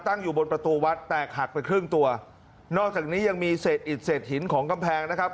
ตั้งอยู่บนประตูวัดแตกหักไปครึ่งตัวนอกจากนี้ยังมีเศษอิดเศษหินของกำแพงนะครับ